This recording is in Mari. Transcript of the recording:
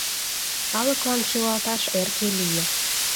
Калыклан шӱлалташ эрке лие.